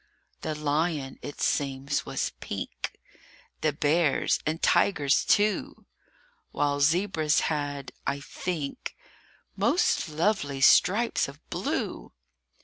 THE lion, it seems, was pink, The bears and tigers too, While zebras had, I think, Most lovely stripes of blue.